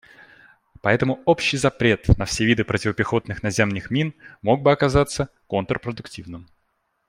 Поэтому общий запрет на все виды противопехотных наземных мин мог бы оказаться контрпродуктивным.